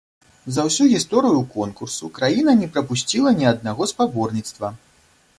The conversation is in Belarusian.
За ўсю гісторыю конкурсу краіна не прапусціла ні аднаго спаборніцтва.